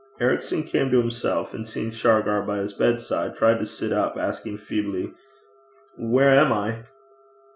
Ericson came to himself, and seeing Shargar by his bedside, tried to sit up, asking feebly, 'Where am I?'